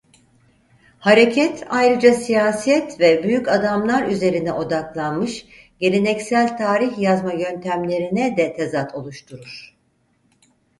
Hareket ayrıca siyaset ve "büyük adamlar" üzerine odaklanmış geleneksel tarih yazma yöntemlerine de tezat oluşturur.